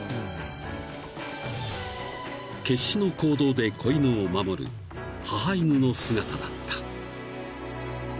［決死の行動で子犬を守る母犬の姿だった］